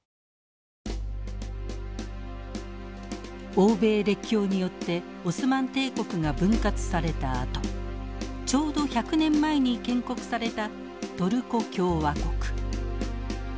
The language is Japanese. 欧米列強によってオスマン帝国が分割されたあとちょうど１００年前に建国されたトルコ共和国。